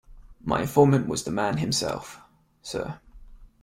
My informant was the man himself, sir.